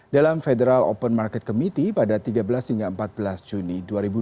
dalam federal open market committee pada tiga belas hingga empat belas juni dua ribu dua puluh